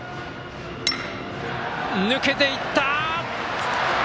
抜けていった！